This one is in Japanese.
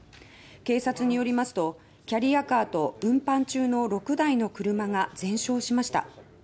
警察によりますとキャリアカーと運搬中の６台の車が全焼しました。